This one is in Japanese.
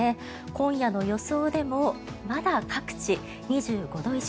今夜の予想でもまだ各地２５度以上。